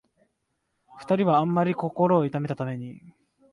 二人はあんまり心を痛めたために、